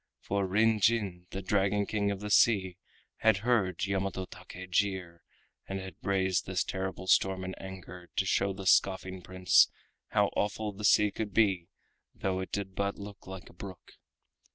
For Kin Jin, the Dragon King of the Sea, had heard Yamato Take jeer, and had raised this terrible storm in anger, to show the scoffing Prince how awful the sea could be though it did but look like a brook.